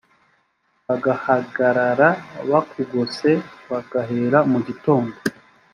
bagahagarara bakugose bagahera mu gitondo